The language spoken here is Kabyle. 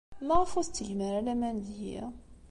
Maɣef ur tettgem ara laman deg-i?